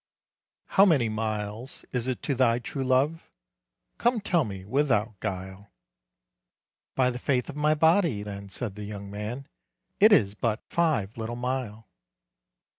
"How many miles is it to thy true love? Come tell me without guile." "By the faith of my body," then said the young man, "It is but five little mile."